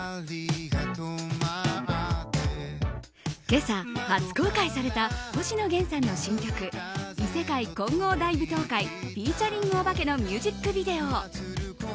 今朝、初公開された星野源さんの新曲「異世界混合大舞踏会」のミュージックビデオ。